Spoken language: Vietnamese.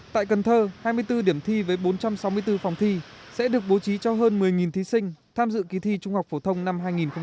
tại cần thơ hai mươi bốn điểm thi với bốn trăm sáu mươi bốn phòng thi sẽ được bố trí cho hơn một mươi thí sinh tham dự kỳ thi trung học phổ thông năm hai nghìn hai mươi